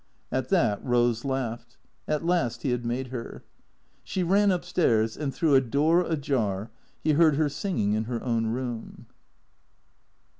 At that Eose laughed (at last he had made her). She ran up stairs; and through a door ajar, he heard her singing in her own room.